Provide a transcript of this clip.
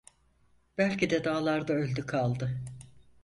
Belki de dağlarda öldü kaldı!